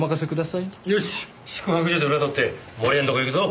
よし宿泊所で裏取って盛谷のとこ行くぞ。